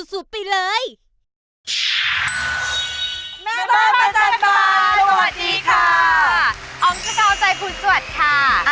อ๋อมสุกราวใจภูมิสวัสดิ์ค่ะ